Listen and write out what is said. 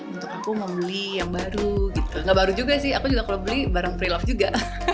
untuk aku mau beli yang baru gitu nggak baru juga sih aku juga kalau beli barang prelove juga